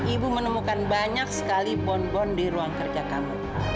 ibu menemukan banyak sekali bonbon di ruang kerja kamu